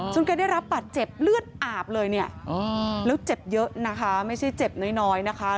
แกได้รับบาดเจ็บเลือดอาบเลยเนี่ยแล้วเจ็บเยอะนะคะไม่ใช่เจ็บน้อยนะคะ